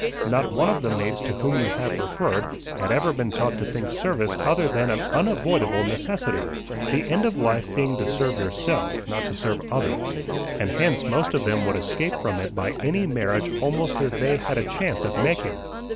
Not one of the maids to whom you have referred had ever been taught to think service other than an unavoidable necessity, the end of life being to serve yourself, not to serve others; and hence most of them would escape from it by any marriage almost that they had a chance of making.